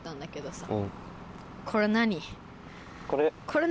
これ？